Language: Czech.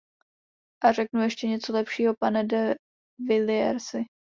A řeknu ještě něco lepšího, pane de Villiersi.